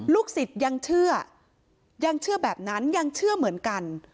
สิทธิ์ยังเชื่อยังเชื่อแบบนั้นยังเชื่อเหมือนกัน